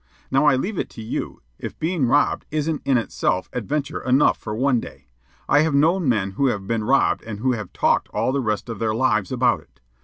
Now I leave it to you if being robbed isn't in itself adventure enough for one day. I have known men who have been robbed and who have talked all the rest of their lives about it.